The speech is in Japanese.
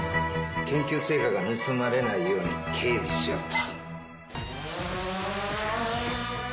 研究成果が盗まれないように警備しよっと。